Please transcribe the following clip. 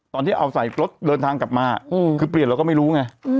ตอนที่เอาใส่รถเดินทางกลับมาคือเปลี่ยนเราก็ไม่รู้ไง